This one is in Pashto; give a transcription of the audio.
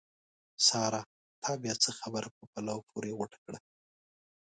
سارا! تا بیا څه خبره په پلو پورې غوټه کړه؟!